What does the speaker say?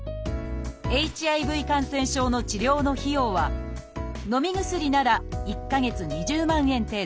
ＨＩＶ感染症の治療の費用はのみ薬なら１か月２０万円程度。